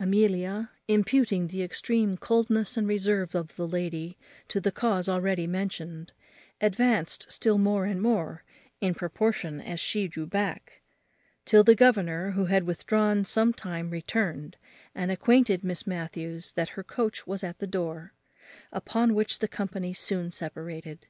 Amelia, imputing the extreme coldness and reserve of the lady to the cause already mentioned, advanced still more and more in proportion as she drew back; till the governor, who had withdrawn some time, returned, and acquainted Miss Matthews that her coach was at the door; upon which the company soon separated.